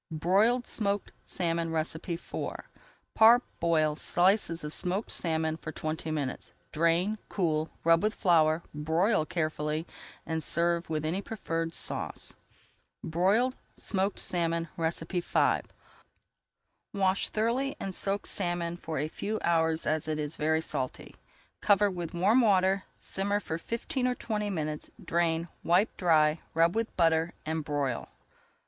BROILED SMOKED SALMON IV Parboil slices of smoked salmon for twenty minutes, drain, cool, rub with flour, broil carefully, and serve with any preferred sauce. [Page 305] BROILED SMOKED SALMON V Wash thoroughly and soak for a few hours very salt. Cover with warm water, simmer for fifteen or twenty minutes, drain, wipe dry, rub with butter, and broil.